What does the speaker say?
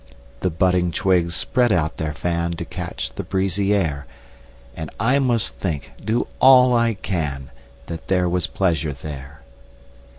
The budding twigs spread out their fan, To catch the breezy air; And I must think, do all I can, That there was pleasure there.